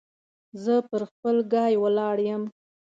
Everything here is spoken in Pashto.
زه پر خپل ګای ولاړ يم.